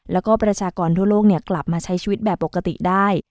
แล้วก็ประชากรทั่วโลกกลับมาใช้ชีวิตแบบปกติได้